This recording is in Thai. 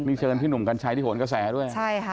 มีเชิญพี่หนุ่มกันใช้ที่โหนกระแสด้วย